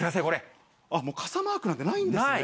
あっ、もう傘マークなんてないんですね。